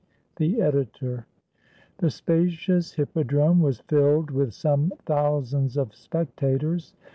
The Editor] The spacious hippodrome was filled with some thou sands of spectators.